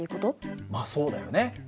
まあそうだよね。